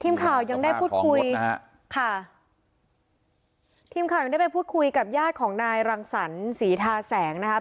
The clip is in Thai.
ทีมข่าวยังได้พูดคุยฮะค่ะทีมข่าวยังได้ไปพูดคุยกับญาติของนายรังสรรศรีทาแสงนะครับ